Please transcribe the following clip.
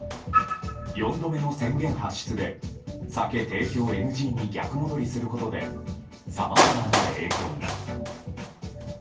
４度目の宣言発出で酒提供ＮＧに逆戻りする形でさまざまな影響が。